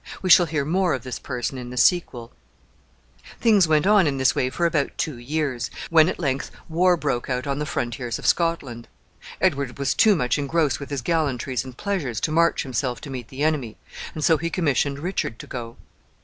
We shall hear more of this person in the sequel. [Illustration: JANE SHORE.] Things went on in this way for about two years, when at length war broke out on the frontiers of Scotland. Edward was too much engrossed with his gallantries and pleasures to march himself to meet the enemy, and so he commissioned Richard to go.